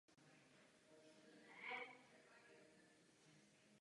Obhájcem titulu byl třetí tenista světa Alexander Zverev.